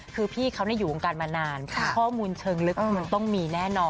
คือพี่เขาอยู่วงการมานานข้อมูลเชิงลึกมันต้องมีแน่นอน